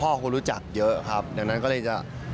คนรู้จักเยอะครับดังนั้นก็เลยจะ